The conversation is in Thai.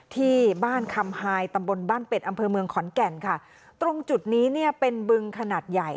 ที่บ้านคำหายตำบลบ้านเป็ดอำเภอเมืองขอนแก่นค่ะตรงจุดนี้เนี่ยเป็นบึงขนาดใหญ่